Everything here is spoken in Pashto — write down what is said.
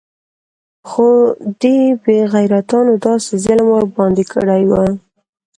خو دې بې غيرتانو داسې ظلم ورباندې کړى و.